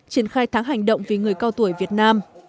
triển khai tháng hành động vì người cao tuổi việt nam